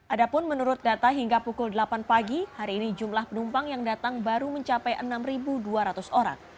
ada pun menurut data hingga pukul delapan pagi hari ini jumlah penumpang yang datang baru mencapai enam dua ratus orang